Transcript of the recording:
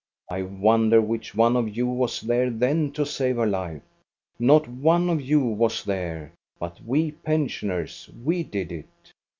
I wonder which one of you was there then to save her life. Not one of you was there; but we pensioners, we did it.